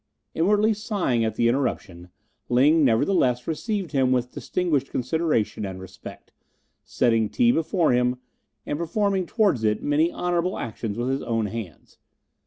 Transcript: Inwardly sighing at the interruption, Ling nevertheless received him with distinguished consideration and respect, setting tea before him, and performing towards it many honourable actions with his own hands.